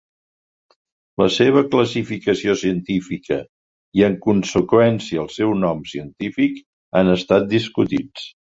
La seva classificació científica, i en conseqüència el seu nom científic, han estat discutits.